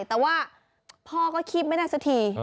แต่ว่าพ่อก็คีบไม่ได้สักที